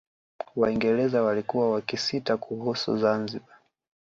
Waingereza walikuwa wakisita kuhusu Zanzibar